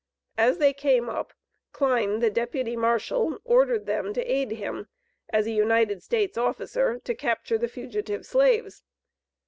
As they came up, Kline, the deputy marshal, ordered them to aid him, as a United States officer, to capture the fugitive slaves.